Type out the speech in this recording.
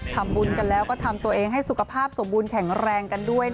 ทำบุญกันแล้วก็ทำตัวเองให้สุขภาพสมบูรณแข็งแรงกันด้วย